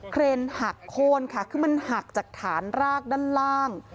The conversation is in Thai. เครนหักโค้นค่ะคือมันหักจากฐานรากด้านล่าง